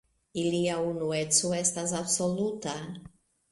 Ilia unueco estas absoluta.